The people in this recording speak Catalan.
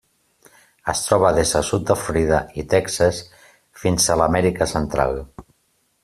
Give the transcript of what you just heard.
Es troba des del sud de Florida i Texas fins a l'Amèrica Central.